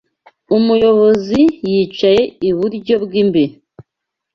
Umuyobozi yicaye iburyo bwimbere.